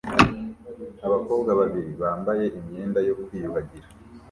Abakobwa babiri bambaye imyenda yo kwiyuhagira